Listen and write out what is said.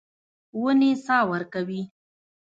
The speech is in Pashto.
ونې سا ورکوي.